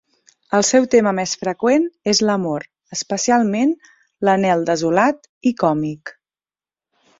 El seu tema més freqüent és l'amor, especialment l'anhel desolat i còmic.